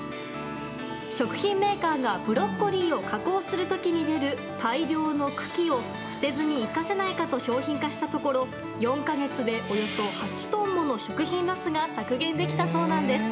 食品メーカーがブロッコリーを加工する時に出る大量の茎を捨てずに生かせないかと商品化したところ４か月でおよそ８トンもの食品ロスが削減できたそうなんです。